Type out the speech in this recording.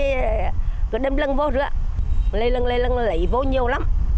nước biển ăn sâu vào đất liền trgoing trầm th employing land to jupan việt nam